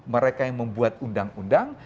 mereka yang membuat undang undang